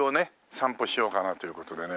散歩しようかなという事でね。